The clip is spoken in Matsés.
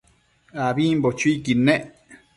ambimbo chuiquid nec